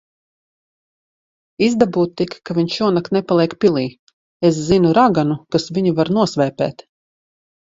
Izdabū tik, ka viņš šonakt nepaliek pilī. Es zinu raganu, kas viņu var nosvēpēt.